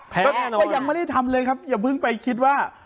แพ้แน่นอนแต่ยังไม่ได้ทำเลยครับอย่าเพิ่งไปคิดว่า